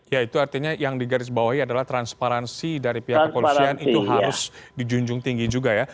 ya itu artinya yang digarisbawahi adalah transparansi dari pihak kepolisian itu harus dijunjung tinggi juga ya